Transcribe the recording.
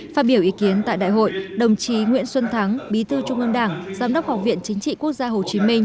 phát biểu ý kiến tại đại hội đồng chí nguyễn xuân thắng bí thư trung ương đảng giám đốc học viện chính trị quốc gia hồ chí minh